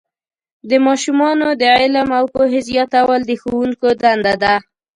د ماشومانو د علم او پوهې زیاتول د ښوونکو دنده ده.